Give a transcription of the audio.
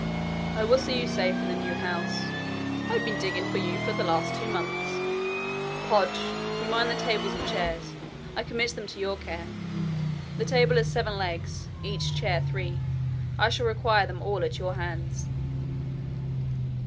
'I will see you safe in the new house I've been digging for you for the last two months. Podge, you mind the table and chairs. I commit them to your care. The table has seven legs each chair three. I shall require them all at your hands.'